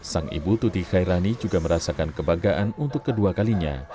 sang ibu tuti khairani juga merasakan kebanggaan untuk kedua kalinya